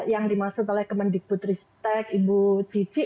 yang dimaksud oleh kemendik putri stek ibu cici